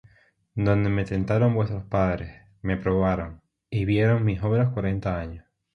Donde me tentaron vuestros padres; me probaron, Y vieron mis obras cuarenta años.